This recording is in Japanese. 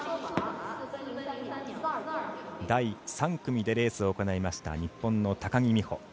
第３組でレースを行いました日本の高木美帆。